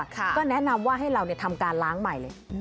ก็แนะนำว่าให้เราทำการล้างใหม่เลย